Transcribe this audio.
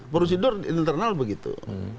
prosedur internal begitu